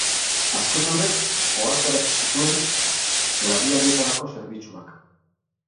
Azken horrek ohartarazi zituen larrialdietarako zerbitzuak.